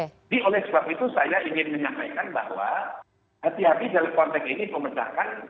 jadi oleh sebab itu saya ingin menyampaikan bahwa hati hati dalam konteks ini pemerintahkan